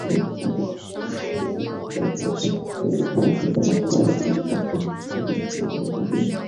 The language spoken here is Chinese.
美国还联合国际社会力量抨击朝鲜的人权纪录。